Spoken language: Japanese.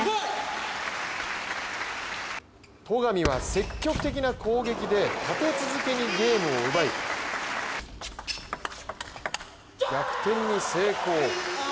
戸上は積極的な攻撃で立て続けにゲームを奪い逆転に成功。